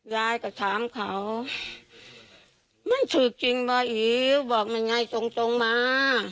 ยายก็ถามเขามันถือจริงป่ะอีกบอกมันยายตรงมา